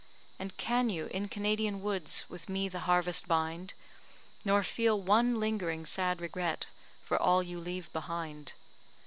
And can you in Canadian woods With me the harvest bind, Nor feel one lingering, sad regret For all you leave behind?